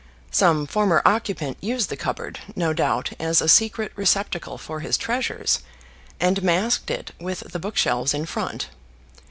Some former occupant used the cupboard, no doubt, as a secret receptacle for his treasures, and masked it with the book shelves in front.